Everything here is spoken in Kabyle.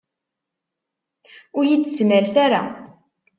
Ur iyi-d-ttnalet ara!